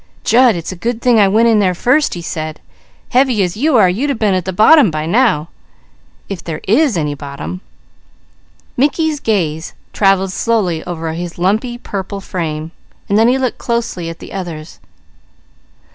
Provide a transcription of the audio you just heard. "Jud, it's a good thing I went in there first," he said. "Heavy as you are, you'd a been at the bottom by now, if there is any bottom." Mickey's gaze travelled slowly over his lumpy, purple frame, and then he looked closely at the others.